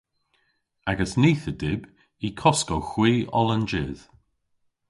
Agas nith a dyb y koskowgh hwi oll an jydh.